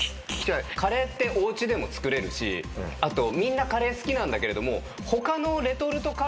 カレーっておうちでも作れるしあとみんなカレー好きなんだけれども。